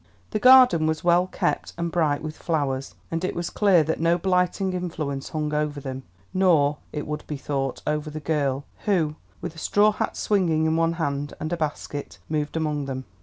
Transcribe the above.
The garden was well kept, and bright with flowers, and it was clear that no blighting influence hung over them, nor, it would be thought, over the girl, who, with a straw hat swinging in one hand, and a basket, moved among them.